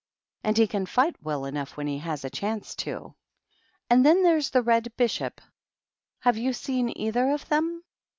And he can fight well enough when he h a chance, too. And then there's the Red Bishoj Have you seen either of them?"